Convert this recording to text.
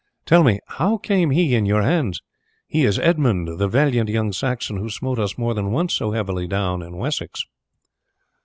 Tell me how came he in your hands? He is Edmund, the valiant young Saxon who smote us more than once so heavily down in Wessex."